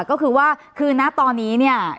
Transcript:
ก็คือว่าคือณตอนนี้เนี่ย